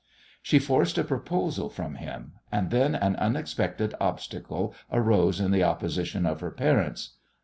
She forced a proposal from him, and then an unexpected obstacle arose in the opposition of her parents.